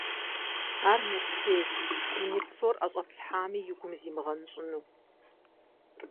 Ар нэпсейщ, дуней псор ӀэщӀэплъхьами и гум зимыгъэнщӀыну.